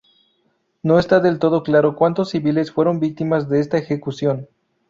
No está del todo claro cuántos civiles fueron víctimas de esta ejecución.